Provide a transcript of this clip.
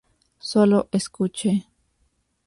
Solo escuche.